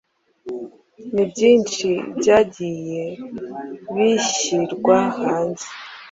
ni byinshi byagiye bishyirwa hanze